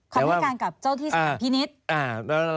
อ๋อความพิจารณากับเจ้าที่สถานพินิษฐ์